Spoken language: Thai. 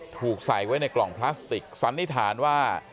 ถูกใส่ไว้ในกล่องพลาสติกสันนิษฐานว่า